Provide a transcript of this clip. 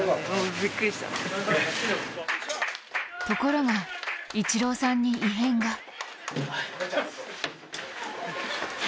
ところが、イチローさんに異変が。